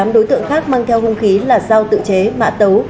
tám đối tượng khác mang theo hôn khí là sao tự chế mạ tấu